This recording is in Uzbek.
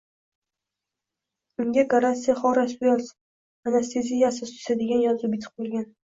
Unga “Goratsiy Xoras Uells — anasteziya asoschisi” degan yozuv bitib qo‘yilgan